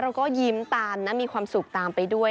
เราก็ยิ้มตามนะมีความสุขตามไปด้วย